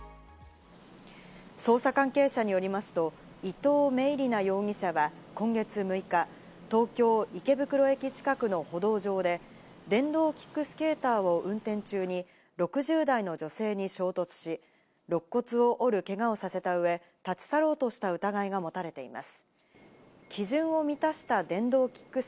捜査関係者によりますと、伊藤明理那容疑者は今月６日、東京・池袋駅近くの歩道上で電動キックスケーターを運転中に６０代の女性に衝突し、肋骨を折るけがをさせたうえ、立ちさろうとした疑いが持たれています。